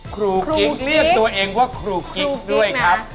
กิ๊กเรียกตัวเองว่าครูกิ๊กด้วยครับ